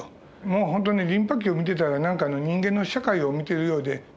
もう本当にリンパ球見てたら何か人間の社会を見てるようで。